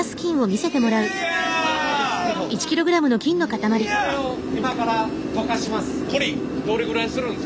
これを今から溶かします。